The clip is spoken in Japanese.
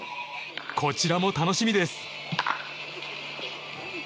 こちらも楽しみです。